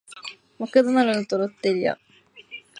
マクドナルドとロッテリア